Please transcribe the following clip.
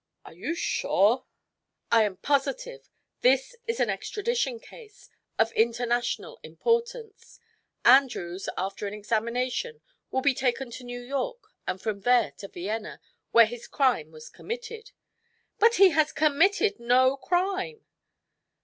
"Are you sure?" "I am positive. This is an extradition case, of international importance. Andrews, after an examination, will be taken to New York and from there to Vienna, where his crime was committed." "But he has committed no crime!"